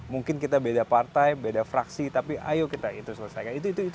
mungkin kita beda partai beda fraksi tapi ayo kita itu selesaikan